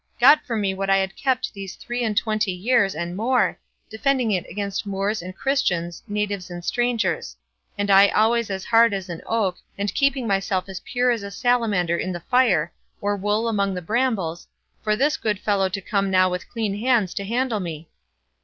got from me what I had kept these three and twenty years and more, defending it against Moors and Christians, natives and strangers; and I always as hard as an oak, and keeping myself as pure as a salamander in the fire, or wool among the brambles, for this good fellow to come now with clean hands to handle me!"